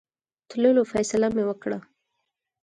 تللو فیصله مې وکړه.